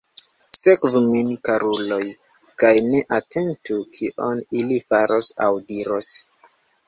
Sekvu min, karuloj, kaj ne atentu kion ili faros aŭ diros.